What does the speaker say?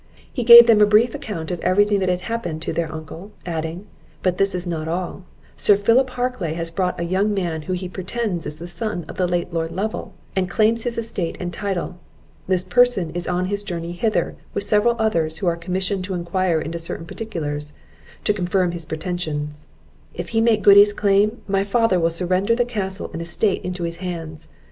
He gave them a brief account of every thing that had happened to their uncle; adding, "But this is not all: Sir Philip Harclay has brought a young man who he pretends is the son of the late Lord Lovel, and claims his estate and title. This person is on his journey hither, with several others who are commissioned to enquire into certain particulars, to confirm his pretensions. If he make good his claim, my father will surrender the castle and estate into his hands.